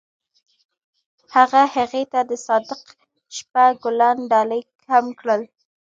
هغه هغې ته د صادق شپه ګلان ډالۍ هم کړل.